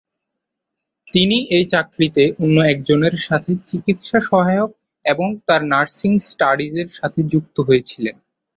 তিনি এই চাকরিতে অন্য একজনের সাথে চিকিৎসা সহায়ক এবং তার নার্সিং স্টাডিজের সাথে যুক্ত হয়েছিলেন।